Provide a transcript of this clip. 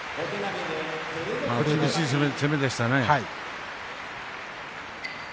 厳しい攻めでしたね。